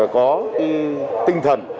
có tinh thần